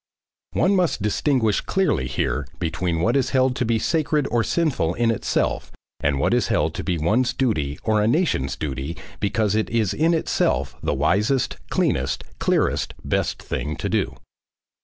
One must distinguish clearly here between what is held to be sacred or sinful in itself and what is held to be one's duty or a nation's duty because it is in itself the wisest, cleanest, clearest, best thing to do.